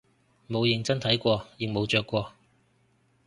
冇認真睇過亦冇着過